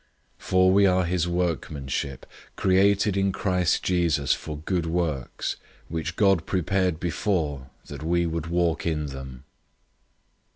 002:010 For we are his workmanship, created in Christ Jesus for good works, which God prepared before that we would walk in them.